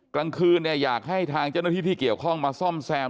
กลางคืนอยากให้ทางเจ้าหน้าที่ที่เกี่ยวข้องมาซ่อมแซม